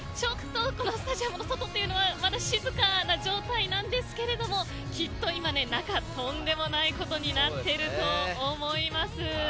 このスタジアムの外というのはまだ静かな状態なんですけれどもきっと今、中とんでもないことになっていると思います。